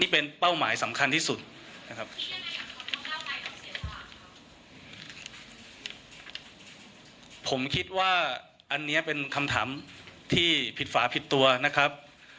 ผมคิดว่าอันนี้เป็นคำถามที่ผิดฝาผิดตัวนะครับ